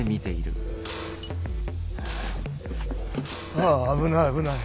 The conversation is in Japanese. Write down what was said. ・ああ危ない危ない。